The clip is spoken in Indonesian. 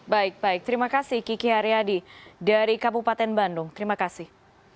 baik baik terima kasih kiki haryadi dari kabupaten bandung terima kasih